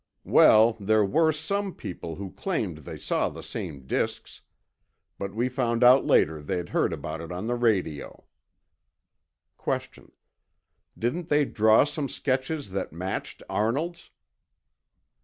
Well, there were some people who claimed they saw the same disks. But we found out later they'd heard about it on the radio. Q. Didn't they draw some sketches that matched Arnold's?